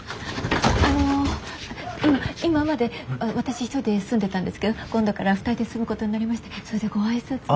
あの今まで私一人で住んでたんですけど今度から２人で住むことになりましてそれでご挨拶を。